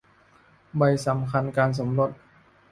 ใบสำคัญการสมรส